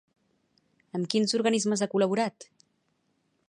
Amb quins organismes ha col·laborat?